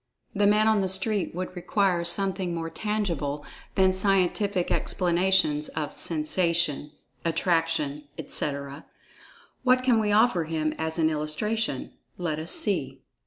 The "man on the street" would require something more tangible than scientific explanations of "sensation," "attraction," etc. What can we offer him as an illustration? Let us see!